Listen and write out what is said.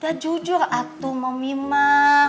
udah jujur aku mau mima